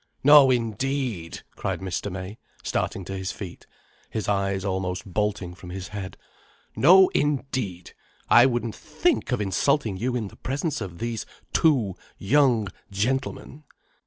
"No indeed!" cried Mr. May, starting to his feet, his eyes almost bolting from his head. "No indeed! I wouldn't think of insulting you in the presence of these two young gentlemen."